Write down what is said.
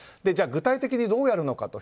じゃあ具体的にどうやるのか。